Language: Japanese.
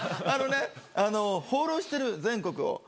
あのね、あの、放浪してる、全国を。